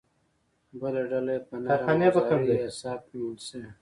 بله ډله یې به نرم اوزاري یا سافټ نومول شي